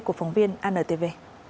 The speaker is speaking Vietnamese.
của phóng viên antv